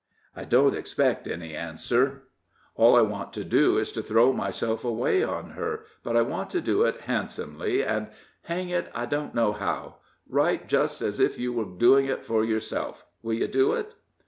I don't expect any answer all I want to do is to throw myself away on her, but I want to do it handsomely, and hang it, I don't know how. Write just as if you were doing it for yourself. Will you do it?"